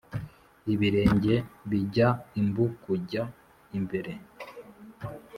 Ibirenge bijya imbu kujya imbere.